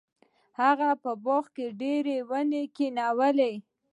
هغه په باغ کې ډیرې ونې کینولې.